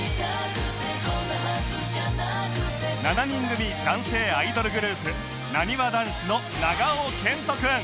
７人組男性アイドルグループなにわ男子の長尾謙杜君